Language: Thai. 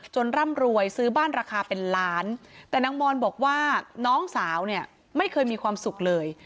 ร่ำรวยซื้อบ้านราคาเป็นล้านแต่นางมอนบอกว่าน้องสาวเนี่ยไม่เคยมีความสุขเลย